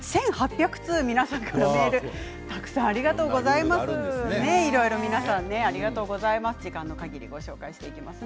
１８００通、皆さんからメールたくさんありがとうございます。